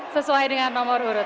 sesuai dengan umur urut